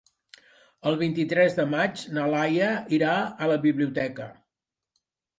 El vint-i-tres de maig na Laia irà a la biblioteca.